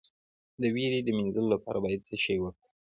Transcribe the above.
د ویرې د مینځلو لپاره باید څه شی وکاروم؟